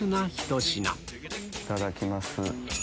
いただきます。